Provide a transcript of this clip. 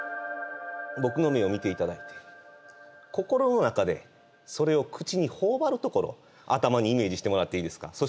僕の目を見て頂いて心の中でそれを口に頬張るところ頭にイメージしてもらっていいですか？